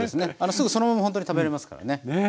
すぐそのままほんとに食べれますからね。